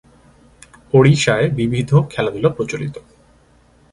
ওড়িশায় বিবিধ খেলাধুলা প্রচলিত।